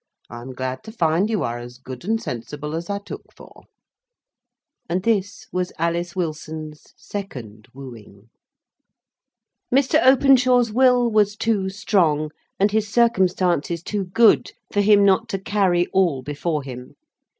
I am glad to find you are as good and sensible as I took you for." And this was Alice Wilson's second wooing. Mr. Openshaw's will was too strong, and his circumstances too good, for him not to carry all before him.